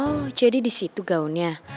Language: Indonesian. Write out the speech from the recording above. oh jadi di situ gaunnya